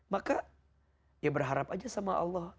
maka ya berharap aja sama allah